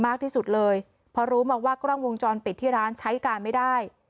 มากที่สุดเลยพอรู้มาว่ากล้องวงจรปิดที่ร้านใช้การไม่ได้